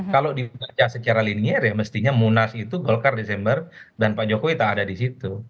kalau dibaca secara linier ya mestinya munas itu golkar desember dan pak jokowi tak ada di situ